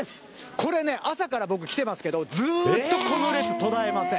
これね、朝から僕、来てますけど、ずーっとこの列、途絶えません。